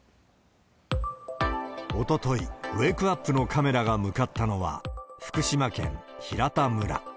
おととい、ウェークアップのカメラが向かったのは、福島県平田村。